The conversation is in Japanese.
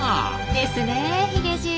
ですねヒゲじい。